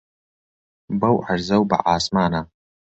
بەو عەرزە و بە عاسمانە